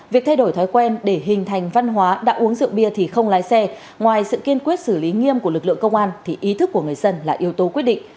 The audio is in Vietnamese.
việc thay đổi thói quen để hình thành văn hóa đã uống rượu bia thì không lái xe ngoài sự kiên quyết xử lý nghiêm của lực lượng công an thì ý thức của người dân là yếu tố quyết định